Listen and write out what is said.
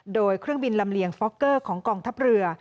โดยเครื่องบินลำเลียงฟอกเกอร์ของกองทัพเรือ